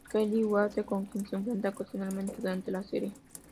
Kerry Weaver, con quien se enfrenta ocasionalmente durante la serie.